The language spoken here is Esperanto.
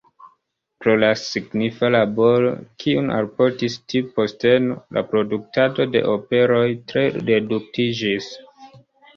Pro la signifa laboro, kiun alportis tiu posteno, la produktado de operoj tre reduktiĝis.